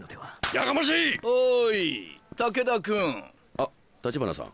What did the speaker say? あ橘さん。